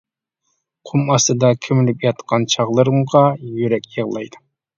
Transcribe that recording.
قۇم ئاستىدا كۆمۈلۈپ ياتقان، چاغلىرىمغا يۈرەك يىغلايدۇ.